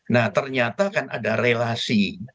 nah ternyata kan ada relasi